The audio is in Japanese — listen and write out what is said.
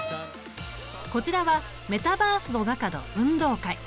こちらはメタバースの中の運動会。